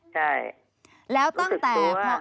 ใช่รู้สึกตัว